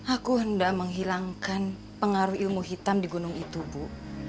aku hendak menghilangkan pengaruh ilmu hitam di gunung itu bu